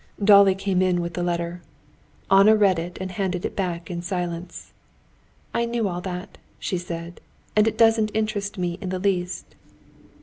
Dolly came in with the letter. Anna read it and handed it back in silence. "I knew all that," she said, "and it doesn't interest me in the least."